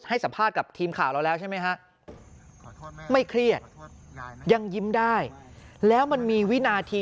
สัมภาษณ์กับทีมข่าวเราแล้วใช่ไหมฮะไม่เครียดยังยิ้มได้แล้วมันมีวินาที